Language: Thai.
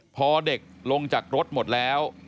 พอเด็กลงจากรถหมดแล้ว